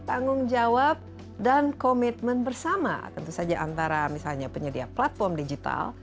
tanggung jawab dan komitmen bersama tentu saja antara misalnya penyedia platform digital